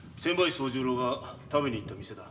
惣十郎が食べに行った店だ。